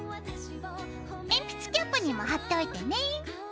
鉛筆キャップにも貼っておいてね。